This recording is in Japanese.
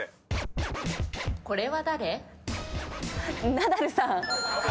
ナダルさん。